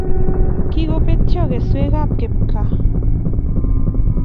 Kikobetyo keswekab kipkaa